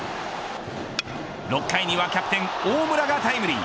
６回にはキャプテン大村がタイムリー。